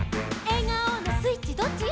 「えがおのスイッチどっち？」